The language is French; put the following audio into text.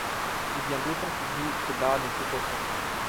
Devient d'autant plus doux que l'âme est plus profonde.